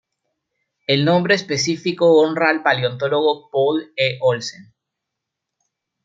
El nombre específico honra al paleontólogo Paul E. Olsen.